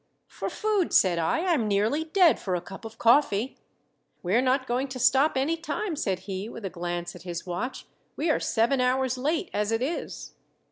"For food," said I. "I'm nearly dead for a cup of coffee." "We're not going to stop any time," said he, with a glance at his watch. "We're seven hours late as it is."